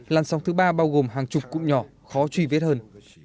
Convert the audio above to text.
làn sóng thứ ba bao gồm hàng chục cụm nhỏ khó truy vết hơn